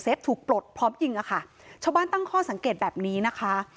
ถูกปลดพร้อมยิงอะค่ะชาวบ้านตั้งข้อสังเกตแบบนี้นะคะ